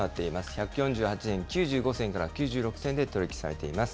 １４８円９５銭から９６銭で取り引きされています。